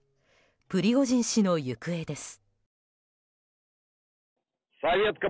プリゴジン氏の行方です。